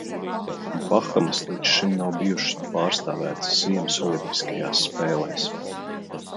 Bahamas līdz šim nav bijušas pārstāvētas ziemas olimpiskajās spēlēs.